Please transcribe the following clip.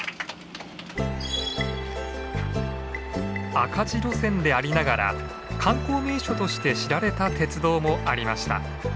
赤字路線でありながら観光名所として知られた鉄道もありました。